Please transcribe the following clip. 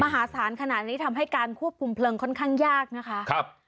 มหาศาลขนาดนี้ทำให้การควบคุมเพลิงค่อนข้างยากนะคะครับ